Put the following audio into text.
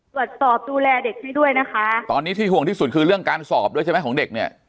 ตรวจสอบดูแลเด็กให้ด้วยนะคะตอนนี้ที่ห่วงที่สุดคือเรื่องการสอบด้วยใช่ไหมของเด็กเนี่ย